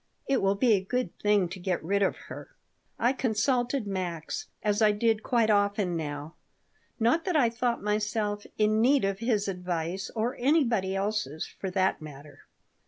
It will be a good thing to get rid of her." I consulted Max, as I did quite often now. Not that I thought myself in need of his advice, or anybody else's, for that matter.